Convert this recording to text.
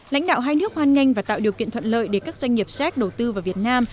lãnh đạo hai nước hoan nghênh và tạo điều kiện thuận lợi để các doanh nghiệp séc đầu tư vào việt nam